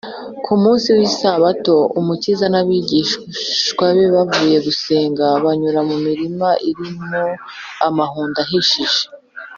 ku munsi w’isabato, umukiza n’abigishwa be bavuye gusenga, banyuze mu mirima irimo amahundo ahishije